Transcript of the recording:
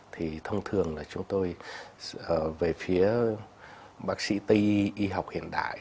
thì thông thường là chúng tôi về phía bác sĩ tây y học hiện đại